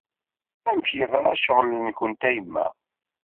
Amek i d-yeḍra ccɣel-nkent a Yemma?